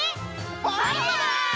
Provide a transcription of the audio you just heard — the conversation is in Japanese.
バイバイ！